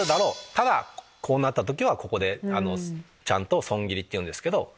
ただこうなった時はちゃんと損切りっていうんですけど。